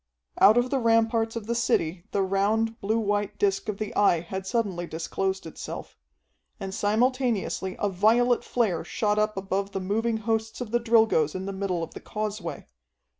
Out of the ramparts of the city the round, blue white disc of the Eye had suddenly disclosed itself. And simultaneously a violet flare shot up above the moving hosts of the Drilgoes in the middle of the causeway.